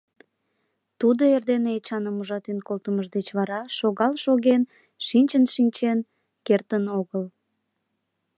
Тудо эрдене Эчаным ужатен колтымыж деч вара шогал шоген, шинчын шинчен кертын огыл.